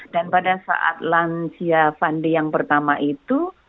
dan pada saat lansia fund day yang pertama itu